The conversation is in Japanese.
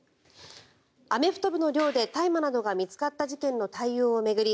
アメフト部の寮で大麻などが見つかった事件の対応を巡り